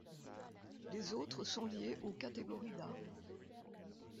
Les autres sont liées aux catégories d'armes.